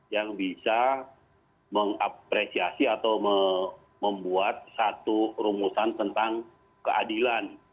yang bisa mengapresiasi atau membuat satu rumusan tentang keadilan